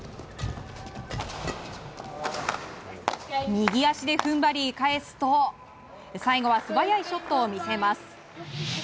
右足で踏ん張り、返すと最後は素早いショットを見せます。